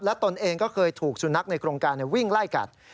ตนเองก็เคยถูกสุนัขในโครงการวิ่งไล่กัด